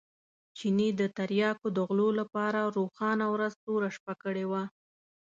چیني د تریاکو د غلو لپاره روښانه ورځ توره شپه کړې وه.